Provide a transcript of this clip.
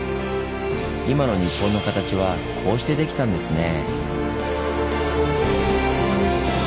今の日本の形はこうしてできたんですねぇ。